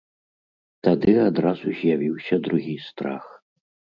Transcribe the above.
Тады адразу з'явіўся другі страх.